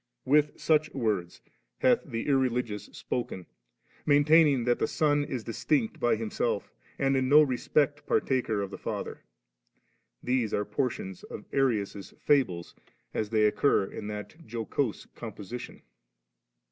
With such words hath the irreligious spoken; maintaining that the Son is distinct by Himself, and in no respect partaker of the Father. These are portions of Arius's fables as tliey occur in that jocose composition.